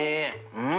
うん。